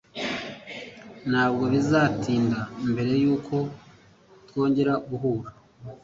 Ntabwo bizatinda mbere yuko twongera guhura.